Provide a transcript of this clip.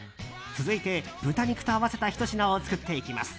続いて、豚肉と合わせたひと品を作っていきます。